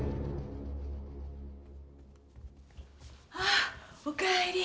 あっおかえり。